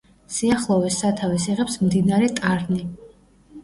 სიახლოვეს სათავეს იღებს მდინარე ტარნი.